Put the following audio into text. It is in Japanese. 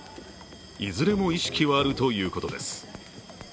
いずれも意識はあるということです。